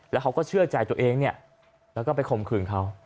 แล้วเขาก็เชื่อใจตัวเองเนี่ยแล้วก็ไปข่มขืนเขา